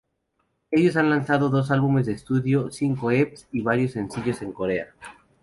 Ellos han lanzado dos álbumes de estudio, cinco Eps y varios sencillos en Corea.